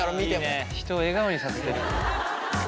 いいね人を笑顔にさせてる。